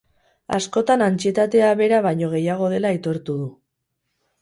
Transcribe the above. Askotan antsietatea bera baino gehiago dela aitortu du.